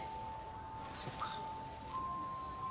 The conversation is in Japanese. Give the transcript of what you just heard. そっか。